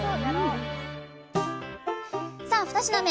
さあ二品目